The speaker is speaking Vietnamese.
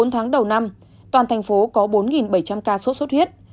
bốn tháng đầu năm toàn thành phố có bốn bảy trăm linh ca sốt xuất huyết